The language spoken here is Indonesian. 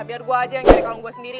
biar gue aja yang cari uang gue sendiri